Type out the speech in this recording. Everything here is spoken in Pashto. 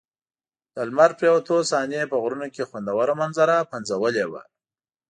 د لمر پرېوتو صحنې په غرونو کې خوندوره منظره پنځولې وه.